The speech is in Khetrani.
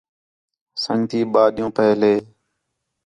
سنڳتی ٻئہ ݙِین٘ہوں پہلے